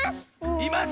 います？